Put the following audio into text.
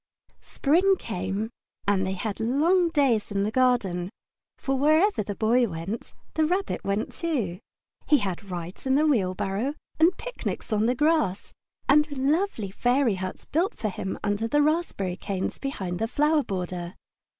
Spring came, and they had long days in the garden, for wherever the Boy went the Rabbit went too. He had rides in the wheelbarrow, and picnics on the grass, and lovely fairy huts built for him under the raspberry canes behind the flower border.